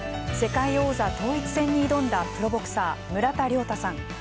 世界王座統一戦に挑んだプロボクサー、村田諒太さん。